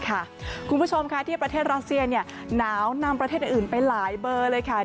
คุณผู้ชมค่ะที่ประเทศรัสเซียหนาวนำประเทศอื่นไปหลายเบอร์เลยค่ะ